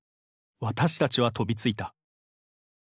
私たちは飛びついた。